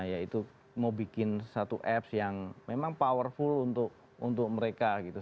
yaitu mau bikin satu apps yang memang powerful untuk mereka gitu